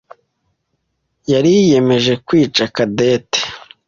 yariyemeje kwica Cadette.